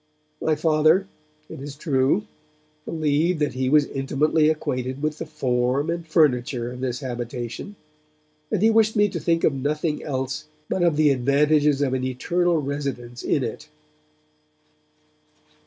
My Father, it is true, believed that he was intimately acquainted with the form and furniture of this habitation, and he wished me to think of nothing else but of the advantages of an eternal residence in it.